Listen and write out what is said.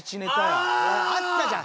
あったじゃん